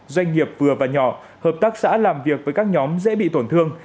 doanh nghiệp vừa và nhỏ hợp tác xã làm việc với các nhóm dễ bị tổn thương